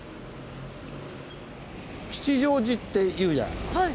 「吉祥寺」っていうじゃない。